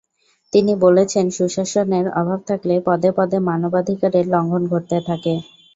তিনি বলেছেন, সুশাসনের অভাব থাকলে পদে পদে মানবাধিকারের লঙ্ঘন ঘটতে থাকে।